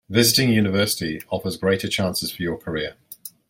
Visiting a university offers great chances for your career.